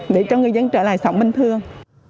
để cho người dân trở lại sống bình thường